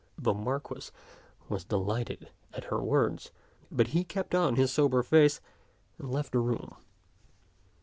The Marquis was delighted at her w^ords, but he kept on his sober face, and left the room.